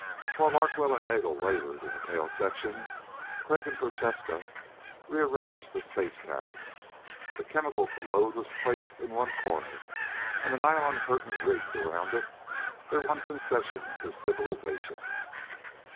While Larkwell and Nagel labored in the tail section, Crag and Prochaska rearranged the space cabin. The chemical commode was placed in one corner and a nylon curtain rigged around it their one concession to civilization.